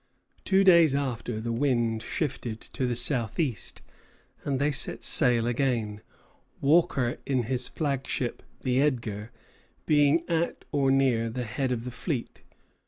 Two days after, the wind shifted to the southeast, and they set sail again, Walker in his flagship, the "Edgar," being at or near the head of the fleet.